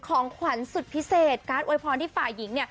ของขวัญสุดพิเศษการ์ดอวยพรที่ฝ่ายหญิง